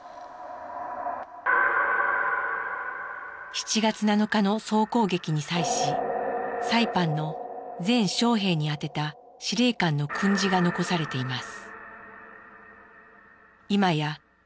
７月７日の総攻撃に際しサイパンの全将兵に宛てた司令官の訓示が残されています。